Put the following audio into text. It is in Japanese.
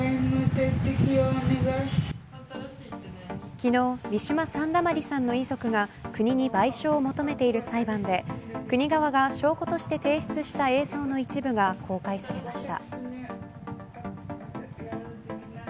昨日、ウィシュマ・サンダマリさんの遺族が国に賠償を求めている裁判で国側が証拠として提出した映像の一部が公開されました。